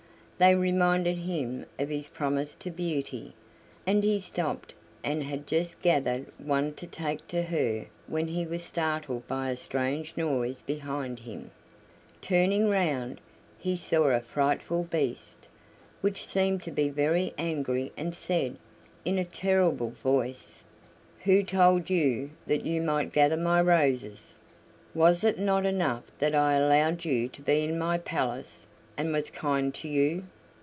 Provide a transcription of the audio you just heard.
They reminded him of his promise to Beauty, and he stopped and had just gathered one to take to her when he was startled by a strange noise behind him. Turning round, he saw a frightful Beast, which seemed to be very angry and said, in a terrible voice: "Who told you that you might gather my roses? Was it not enough that I allowed you to be in my palace and was kind to you?